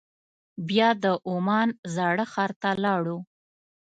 بیا د عمان زاړه ښار ته لاړو.